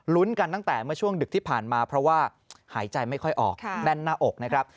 กันตั้งแต่เมื่อช่วงดึกที่ผ่านมาเพราะว่าหายใจไม่ค่อยออกแน่นหน้าอกนะครับ